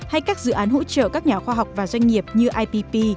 hay các dự án hỗ trợ các nhà khoa học và doanh nghiệp như ipp